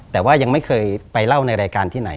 แต่ว่ายังไม่เคยไปเล่าในรายการที่ไหน